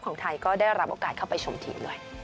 ของไทยก็ได้รับโอกาสเข้าไปชมทีมด้วย